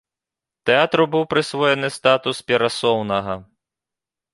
Тэатру быў прысвоены статус перасоўнага.